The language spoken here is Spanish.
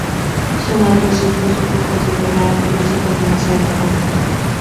Su madre se opuso por considerar al príncipe demasiado joven.